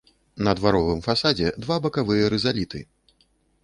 На дваровым фасадзе два бакавыя рызаліты.